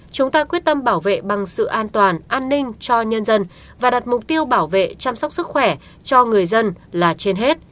chúng ta quyết tâm bảo vệ bằng sự an toàn an ninh cho nhân dân và đặt mục tiêu bảo vệ chăm sóc sức khỏe cho người dân là trên hết